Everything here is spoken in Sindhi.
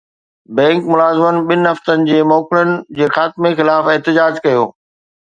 بينڪ ملازمن ٻن هفتن جي موڪلن جي خاتمي خلاف احتجاج ڪيو